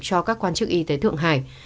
cho các quan chức y tế thượng hải